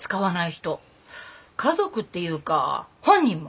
家族っていうか本人も。